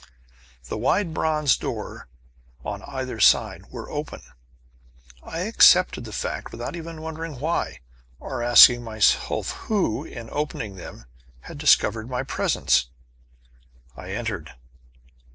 The wide bronze doors on either side were open. I accepted the fact without even wondering why or asking myself who, in opening them, had discovered my presence! I entered.